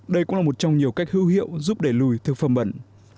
đây cũng là một trong nhiều cách hưu hiệu giúp để lùi thực phẩm bẩn